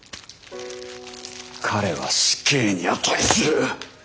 彼は死刑に値する！